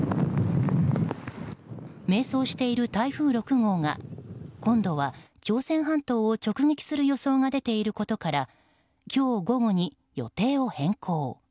迷走している台風６号が今度は朝鮮半島を直撃する予想が出ていることから今日午後に予定を変更。